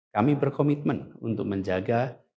kami berkomitmen untuk menjaga